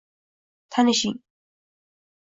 Tanishing